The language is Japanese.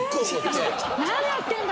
何やってんだ！